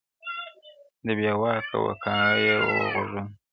دى بېواكه وو كاڼه يې وه غوږونه-